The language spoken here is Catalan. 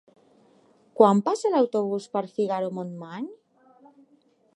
Quan passa l'autobús per Figaró-Montmany?